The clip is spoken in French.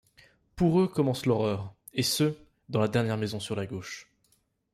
Pour eux, commence l'horreur, et ce, dans la dernière maison sur la gauche…